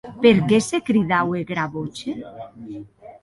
Per qué se cridaue Gravroche?